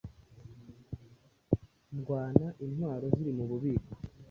ndwana intwaro ziri mububiko